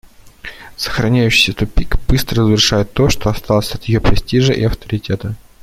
Сохраняющийся тупик быстро разрушает то, что осталось от ее престижа и авторитета.